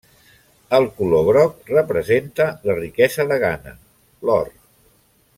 El color groc representa la riquesa de Ghana, l'or.